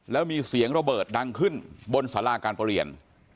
แล้วมีเสียงระเบิดดังขึ้นบนสาราการประเรียน